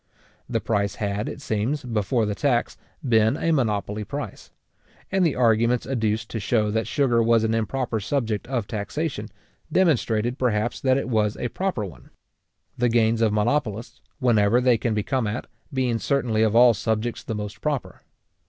The price had, it seems, before the tax, been a monopoly price; and the arguments adduced to show that sugar was an improper subject of taxation, demonstrated perhaps that it was a proper one; the gains of monopolists, whenever they can be come at, being certainly of all subjects the most proper.